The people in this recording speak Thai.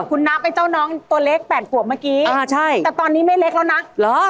คุณนับไอ้เจ้าน้องตัวเล็กแปดขวบเมื่อกี้อ่าใช่แต่ตอนนี้ไม่เล็กแล้วนะเหรอ